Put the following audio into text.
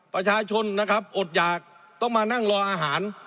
ประชาชนนะครับอดหยากต้องมานั่งรออาหาร